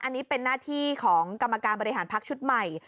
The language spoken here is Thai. อันนี้เป็นหน้าที่ของกรรมการบริหารพักชุดใหม่